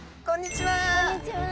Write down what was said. こんにちは。